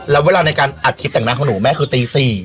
แล้วเวลาในการอัดคลิปแต่งหน้าของหนูแม่คือตี๔